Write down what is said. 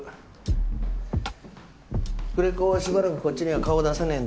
久連木しばらくこっちには顔出せねえんだと。